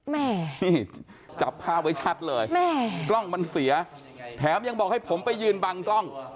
แม่นี่จับภาพไว้ชัดเลยแม่กล้องมันเสียแถมยังบอกให้ผมไปยืนบังกล้อง